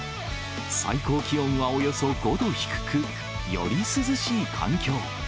最高気温はおよそ５度低く、より涼しい環境。